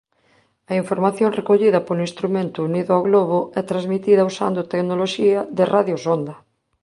A información recollida polo instrumento unido ao globo é transmitida usando tecnoloxía de radiosonda.